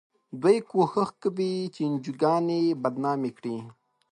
دوی کوښښ کوي چې انجوګانې بدنامې کړي.